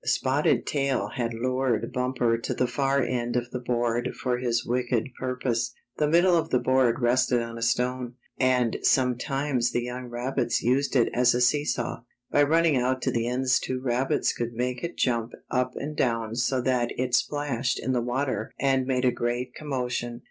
Spotted Tail had lured Bumper to the far end of the board for his wicked purpose. The middle of the board rested on a stone, and some times the young rabbits used it as a see saw. By running out to the ends two rabbits could make it jump up and down so that it splashed in the water and made a great commotion.